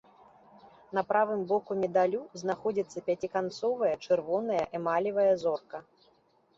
На правым боку медалю знаходзіцца пяціканцовая чырвоная эмалевая зорка.